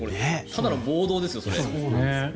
ただの暴動ですよ、それ。